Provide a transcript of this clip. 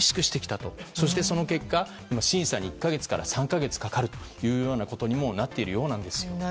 そしてその結果審査に１か月から３か月かかるというようになっているようなんです。